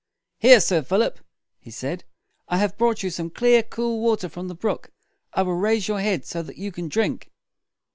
"Here, Sir Philip," he said, "I have brought you some clear, cool water from the brook. I will raise your head so that you can drink."